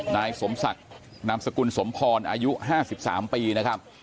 นายสมศักดิ์นามสกุลสมพรอายุห้าสิบสามปีนะครับ